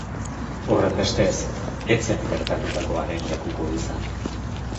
Horrenbestez, ez zen gertatutakoaren lekuko izan.